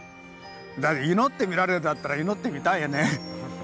祈って見られるだったら祈ってみたいよね。